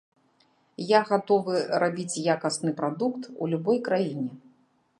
Я гатовы рабіць якасны прадукт у любой краіне.